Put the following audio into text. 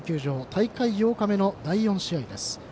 大会８日目の第４試合です。